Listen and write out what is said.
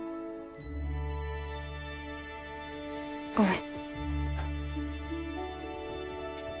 ごめん。